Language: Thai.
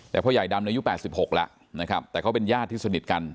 แต่พ่อใหญ่ดำอายุ๘๖แล้วนะครับแต่เขาเป็นญาติที่สนิทกัน